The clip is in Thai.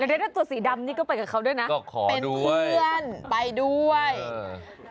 แล้วเด็กนั้นตัวสีดำนี่ก็ไปกับเขาด้วยนะเป็นเพื่อนไปด้วยก็ขอด้วย